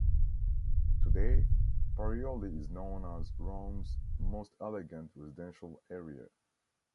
Today, Parioli is known as Rome's most elegant residential area.